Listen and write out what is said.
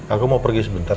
aku mau pergi sebentar